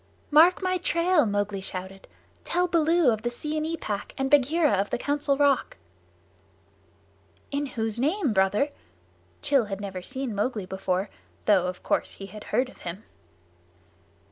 "Mark my trail!" Mowgli shouted. "Tell Baloo of the Seeonee Pack and Bagheera of the Council Rock." "In whose name, Brother?" Rann had never seen Mowgli before, though of course he had heard of him.